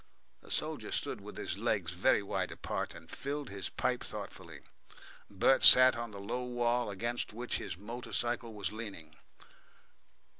The soldier stood with his legs very wide apart, and filled his pipe thoughtfully. Bert sat on the low wall against which his motor bicycle was leaning.